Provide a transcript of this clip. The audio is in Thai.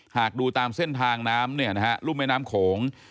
หากดูตามเส้นทางน้ำรุ่มแม่น้ำโขง